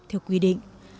theo quy định